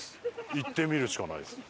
行ってみるしかないですね。